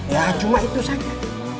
ya cuma itu saja